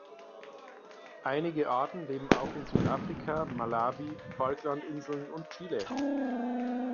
Einige Arten leben auch in Südafrika, Malawi, Falklandinseln und Chile.